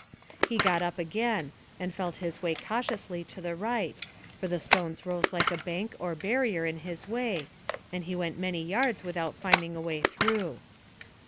He got up again, and felt his way cautiously to the right, for the stones rose like a bank or barrier in his way, and he went many yards without finding a way through.